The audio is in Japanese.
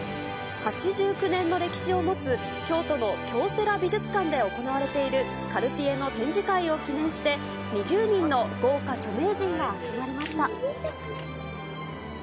８９年の歴史を持つ、京都の京セラ美術館で行われている、カルティエの展示会を記念して、２０人の豪華著名人が集まりました。